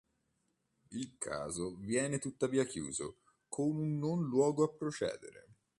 Il caso viene tuttavia chiuso con un non luogo a procedere.